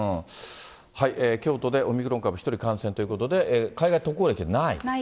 京都でオミクロン株１人感染ということで、海外渡航歴ない。